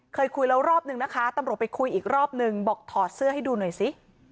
เคยคุยแล้วรอบนึงนะคะตำรวจไปคุยอีกรอบนึงบอกถอดเสื้อให้ดูหน่อยสิ